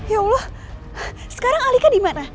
ya allah sekarang alika dimana